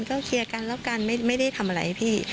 ก็เคลียร์กันแล้วกันไม่ได้ทำอะไรพี่